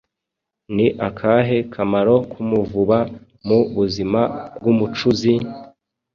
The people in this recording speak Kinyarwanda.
Ni akahe kamaro k’umuvuba mu buzima bw’umucuzi?